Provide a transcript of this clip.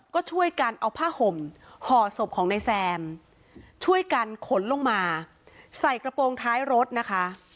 ก็ช่วยกันเอาผ้าห่มห่อศพของนายแซมช่วยกันขนลงมาใส่กระโปรงท้ายรถนะคะ